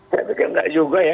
saya pikir nggak juga ya